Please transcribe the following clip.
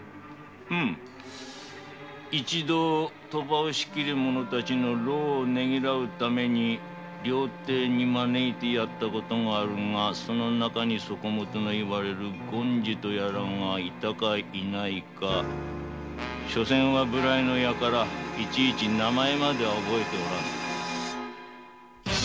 一度賭場を仕切る者たちの労を犒うために料亭に招いてやったことがあるがその中にそこもとの言われる権次とやらが居たか居ないかしょせんは無頼の輩いちいち名前までは覚えておらぬ。